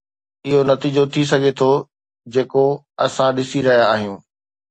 اهو نتيجو ٿي سگهي ٿو جيڪو اسان ڏسي رهيا آهيون.